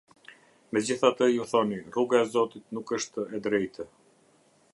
Megjithatë ju thoni: "Rruga e Zotit nuk është e drejtë".